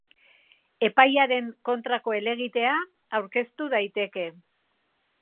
Epaiaren kontrako helegitea aurkeztu daiteke.